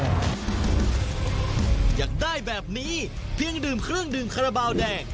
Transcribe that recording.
อยากได้แบบนี้เพียงดื่มเครื่องดื่มคาราบาลแดง